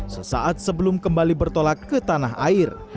sesaat sebelum kembali bertolak ke tanah air